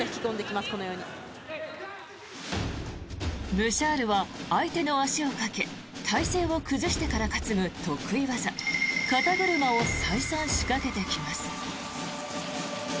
ブシャールは相手の足をかけ体勢を崩してから担ぐ得意技肩車を再三仕掛けてきます。